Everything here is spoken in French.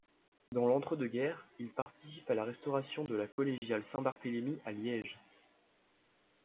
Dans l'Entre-deux-guerres, il participe à la restauration de la collégiale Saint-Barthélemy à Liège.